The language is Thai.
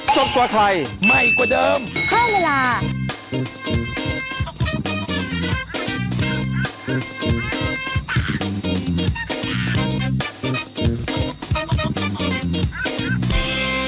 สวัสดีค่ะ